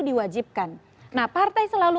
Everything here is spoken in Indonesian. diwajibkan nah partai selalu